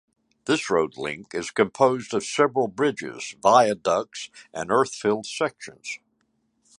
This roadlink is composed of several bridges, viaducts and earth-filled sections.